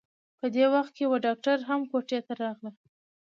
په دې وخت کې يوه ډاکټره هم کوټې ته راغله.